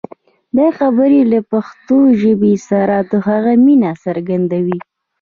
دا خبرې له پښتو ژبې سره د هغه مینه څرګندوي.